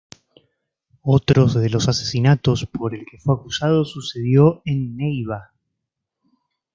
Otros de los asesinatos por el que fue acusado sucedió en Neiva.